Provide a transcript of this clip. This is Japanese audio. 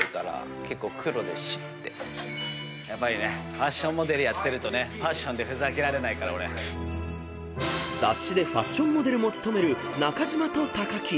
ファッションモデルやってるとねファッションでふざけられないから［雑誌でファッションモデルも務める中島と木］